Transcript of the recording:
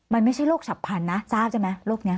มันไม่ใช่โรคฉับพันธุ์นะทราบใช่ไหมโรคนี้